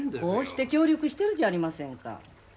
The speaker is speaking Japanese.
こうして協力してるじゃありませんか。